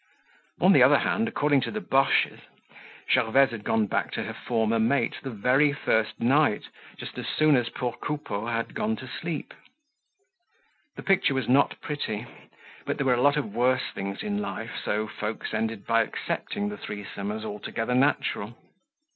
On the other hand, according to the Boches, Gervaise had gone back to her former mate the very first night, just as soon as poor Coupeau had gone to sleep. The picture was not pretty, but there were a lot of worse things in life, so folks ended by accepting the threesome as altogether natural.